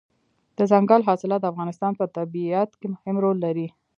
دځنګل حاصلات د افغانستان په طبیعت کې مهم رول لري.